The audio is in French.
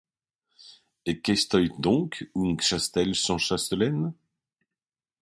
Et qu’estoyt doncques ung chastel sans chastelaine ?…